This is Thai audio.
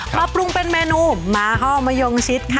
ระปรุงเป็นเมนูมาข้อมะโยงชิ้นค่ะ